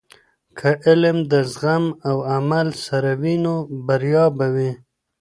که علم د زغم او عمل سره وي، نو بریا به وي.